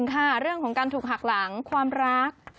ค่ะเรื่องของการถูกหักหลังความรัก